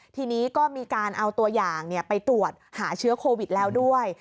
ทีนี้ก็มีการเอาตัวอย่างไปตรวจหาเชื้อโควิดแล้วด้วย